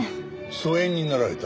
疎遠になられた？